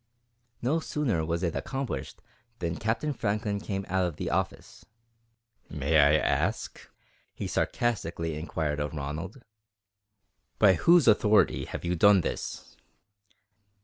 No sooner was it accomplished than Captain Franklin came out of the offices. "May I ask," he sarcastically inquired of Ronald, "by whose authority you have done this?"